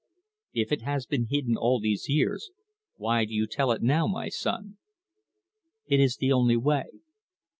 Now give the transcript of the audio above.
"If it has been hidden all these years, why do you tell it now, my son?" "It is the only way."